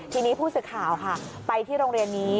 ทีนี้ผู้สื่อข่าวค่ะไปที่โรงเรียนนี้